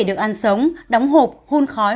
được ăn sống đóng hộp hôn khói